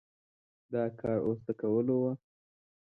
دا کار اوس د کولو و؟